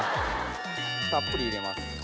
たっぷり入れます。